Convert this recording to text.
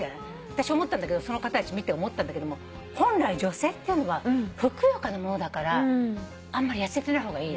私思ったんだけどその方たち見て思ったんだけども本来女性っていうのはふくよかなものだからあんまり痩せてない方がいいらしい。